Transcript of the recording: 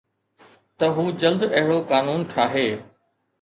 ته هو جلد اهڙو قانون ٺاهي